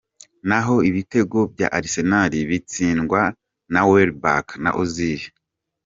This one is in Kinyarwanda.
Naho ibitego bya Arsenal bitsindwa na Welbeck na Ozil.